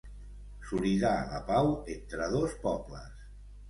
Solidar la pau entre dos pobles.